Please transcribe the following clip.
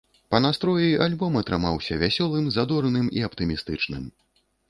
Па настроі альбом атрымаўся вясёлым, задорным і аптымістычным.